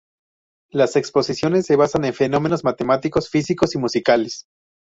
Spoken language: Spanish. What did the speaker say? Las exposiciones se basan en fenómenos matemáticos, físicos y musicales.